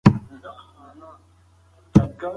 آیا ټولنپوهنه د ټولنیزو سختیو څیړنه کوي؟